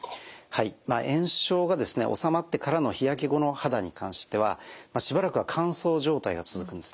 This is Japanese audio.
はい炎症が治まってからの日焼け後の肌に関してはしばらくは乾燥状態が続くんですね。